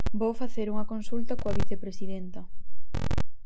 Vou facer unha consulta coa vicepresidenta.